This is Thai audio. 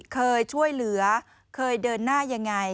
เคยช่วยเหลือเคยเดินหน้ายังไง